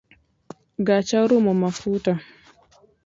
Gacha orumo mafuta